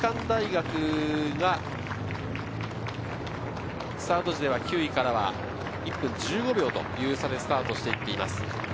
国士舘大学がスタート時では９位からは１分１５秒という差でスタートしています。